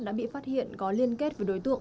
đã bị phát hiện có liên kết với đối tượng